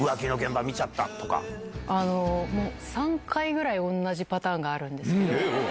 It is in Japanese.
あの、もう３回くらい同じパターンがあるんですけど。